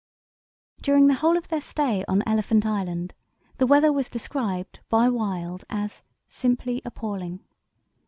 During the whole of their stay on Elephant Island the weather was described by Wild as "simply appalling."